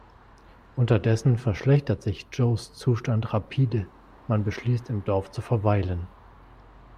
Unterdessen verschlechtert sich Joes Zustand rapide, man beschließt im Dorf zu verweilen.